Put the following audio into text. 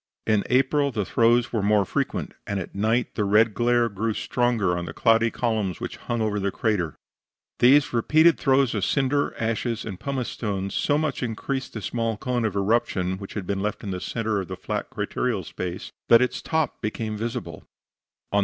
In April the throws were more frequent, and at night the red glare grew stronger on the cloudy columns which hung over the crater. These repeated throws of cinders, ashes and pumice stones so much increased the small cone of eruption which had been left in the centre of the flat crateral space that its top became visible at a distance.